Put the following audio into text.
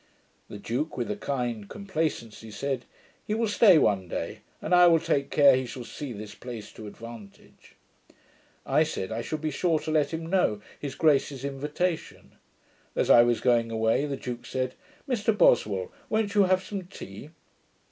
The duke, with a kind complacency, said, 'He will stay one day; and I will take care he shall see this place to advantage.' I said, I should be sure to let him know his grace's invitation. As I was going away, the duke said, 'Mr Boswell, won't you have some tea?'